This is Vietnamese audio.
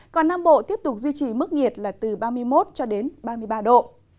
còn nam bộ tiếp tục duy trì mức nhiệt là từ ba mươi một cho đến ba mươi ba độ